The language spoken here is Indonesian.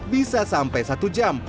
bisa sampai satu jam